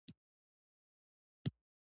پریکړې کله عملي کیږي؟